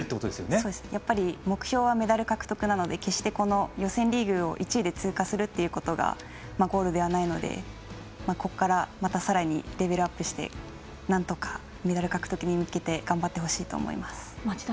目標はメダル獲得なので決して予選リーグを１位で通過するということがゴールではないのでここから、またさらにレベルアップしてなんとかメダル獲得に向けて頑張ってほしいと思います。